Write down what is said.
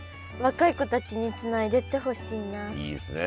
いいですね